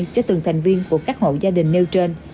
cho từng thành viên của các hộ gia đình nêu trên